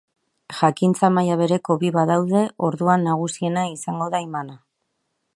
Jakintza maila bereko bi badaude, orduan nagusiena izango da imana.